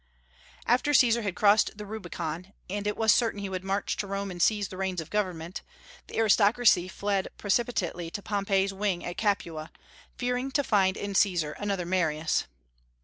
After Caesar had crossed the Rubicon, and it was certain he would march to Rome and seize the reins of government, the aristocracy fled precipitately to Pompey's wing at Capua, fearing to find in Caesar another Marius.